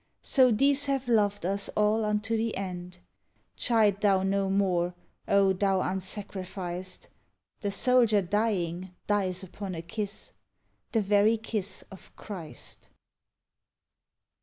So these have loved us all unto the end. Chide thou no more, O thou unsacrificed! The soldier dying dies upon a kiss, The very kiss of Christ.